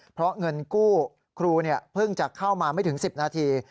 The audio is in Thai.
เพราะเงินกู้ครูเพิ่งจะเข้ามาไม่ถึง๑๐นาที